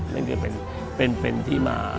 มันคือเป็นเพลี่ยนที่มา